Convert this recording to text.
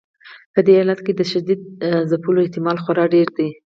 په دې حالت کې د شدید ځپلو احتمال خورا ډیر دی.